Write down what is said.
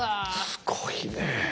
すごいねえ。